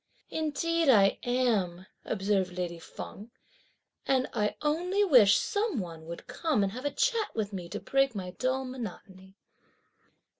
"Indeed I am," observed lady Feng, "and I only wish some one would come and have a chat with me to break my dull monotony."